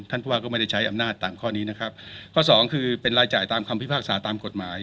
ผู้ว่าก็ไม่ได้ใช้อำนาจตามข้อนี้นะครับข้อสองคือเป็นรายจ่ายตามคำพิพากษาตามกฎหมาย